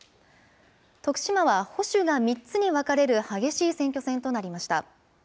徳島は、保守が３つに分かれる激しい選挙戦となりました。